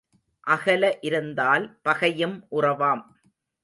அகல இருந்தால் பகையும் உறவாம்.